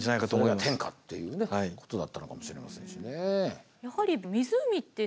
それが天下っていうことだったのかもしれませんしね。